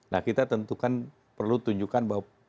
nah kita tentukan perlu tunjukkan bahwa